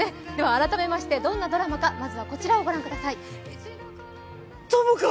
改めまして、どんなドラマか、まずはこちらを御覧ください。